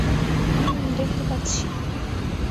হুমম, দেখতে পাচ্ছি।